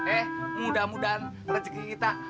eh mudah mudahan rezeki kita